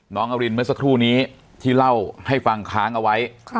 น้องอรินเมื่อสักครู่นี้ที่เล่าให้ฟังค้างเอาไว้